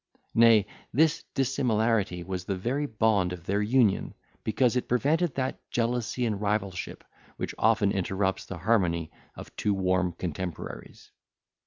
Nay, this dissimilarity was the very bond of their union; because it prevented that jealousy and rivalship which often interrupts the harmony of two warm contemporaries.